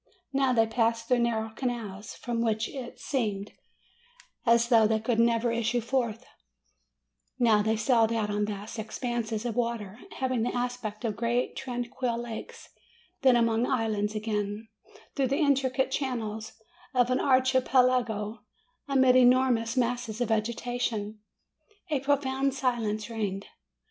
Now they passed through narrow canals, from which it seemed as though FROM APENNINES TO THE ANDES 267 they could never issue forth; now they sailed out on vast expanses of water, having the aspect of great tranquil lakes, then among islands again, through the intricate channels of an archipelago, amid enormous masses of vegetation. A 'profound silence reigned.